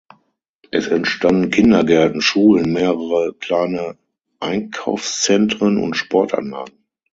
Es entstanden Kindergärten, Schulen, mehrere kleine Einkaufszentren und Sportanlagen.